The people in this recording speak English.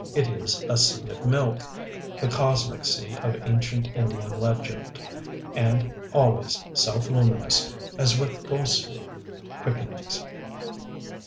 It is a Sea of Milk, the Cosmic Sea of ancient Indian legend, and always self luminous, as with ghostly quickenings.